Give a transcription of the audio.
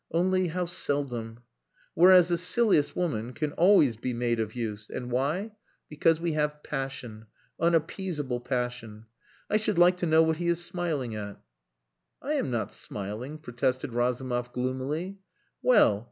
Only, how seldom.... Whereas the silliest woman can always be made of use. And why? Because we have passion, unappeasable passion.... I should like to know what he is smiling at?" "I am not smiling," protested Razumov gloomily. "Well!